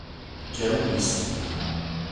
Quero um misto